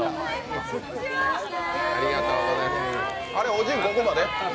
おじゅん、ここまで？